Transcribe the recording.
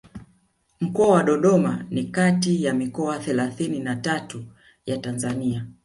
Mkoa wa Dodoma ni kati ya mikoa thelathini na tatu ya Tanzania